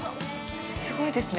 すごいですね。